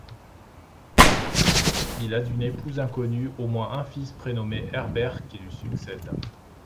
Il a d'une épouse inconnue au moins un fils prénommé Herbert, qui lui succède.